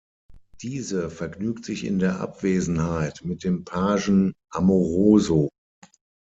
Diese vergnügt sich in der Abwesenheit mit dem Pagen Amoroso.